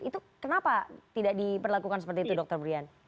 itu kenapa tidak diperlakukan seperti itu dr brian